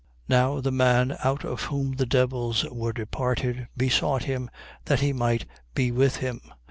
8:38. Now the man out of whom the devils were departed besought him that he might be with him.